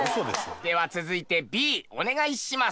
では続いてＢお願いします。